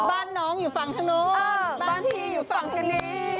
บ้านน้องอยู่ฝั่งทางนู้นบ้านที่อยู่ฝั่งชะนี